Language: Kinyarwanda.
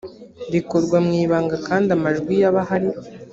rikorwa mu ibanga kandi amajwi y abahari